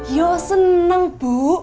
yo seneng bu